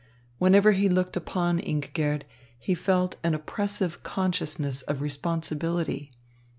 Whenever he looked upon Ingigerd, he felt an oppressive consciousness of responsibility.